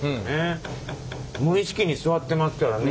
無意識に座ってますからね。